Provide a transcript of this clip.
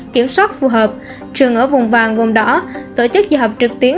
kiểm soát phù hợp trường ở vùng vàng vùng đỏ tổ chức dạy học trực tuyến